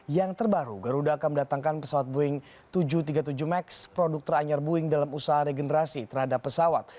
yang terbaru garuda akan mendatangkan pesawat boeing tujuh ratus tiga puluh tujuh max produk teranyar boeing dalam usaha regenerasi terhadap pesawat